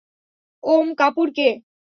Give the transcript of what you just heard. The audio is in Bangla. ওম কাপুর কে?